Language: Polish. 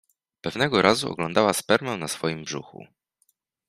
Pewnego razu oglądała spermę na swoim brzuchu.